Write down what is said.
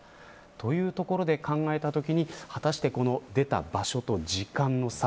というところで考えたときに果たして出た場所と時間の差。